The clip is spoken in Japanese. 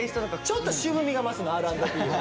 ちょっと渋みが増すのＲ＆Ｂは。